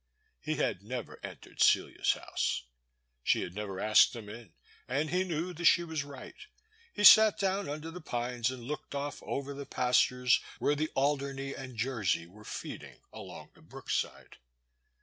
He had never entered Cdia's house. She had never asked him in, and he knew that she was right. He sat down under the pines and looked off over the pastures where the Alderney and Jersey were feeding along the brookside.